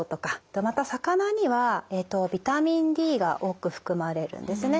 でまた魚にはビタミンＤが多く含まれるんですね。